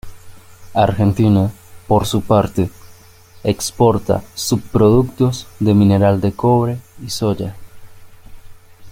Argentina, por su parte, exporta subproductos de mineral de cobre y soja.